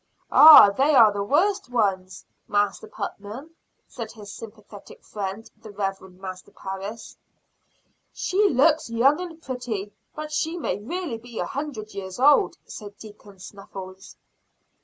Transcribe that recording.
"Ah, they are the worst ones, Master Putnam," said his sympathetic friend, the Rev. Master Parris. "She looks young and pretty, but she may really be a hundred years old," said deacon Snuffles.